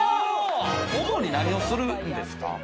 主に何をするんですか？